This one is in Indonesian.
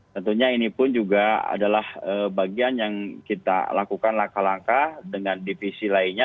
tentunya ini pun juga adalah bagian yang kita lakukan langkah langkah dengan divisi lainnya